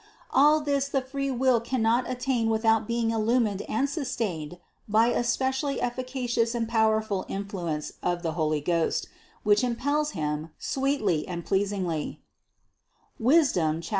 All this the free will cannot attain without being illumined and sustained by a specially efficacious and powerful in fluence of the Holy Ghost, which impels him, sweetly and pleasingly (Sap.